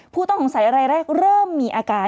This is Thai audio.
ผู้ต้องสงสัยรายแรกเริ่มมีอาการ